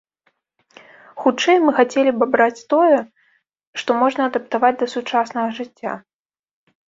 Хутчэй, мы хацелі б абраць тое, што можна адаптаваць да сучаснага жыцця.